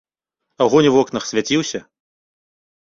Агонь у вокнах свяціўся?